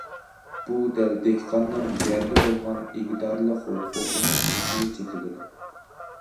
بۇ دەل دېھقاننىڭ يەرگە بولغان ئىگىدارلىق ھوقۇقى مەسىلىسىگە چېتىلىدۇ.